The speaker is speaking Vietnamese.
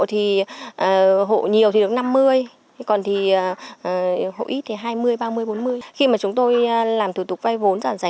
là hộ nhiều thì được năm mươi còn thì hội ít thì hai mươi ba mươi bốn mươi khi mà chúng tôi làm thủ tục vay vốn giảm giải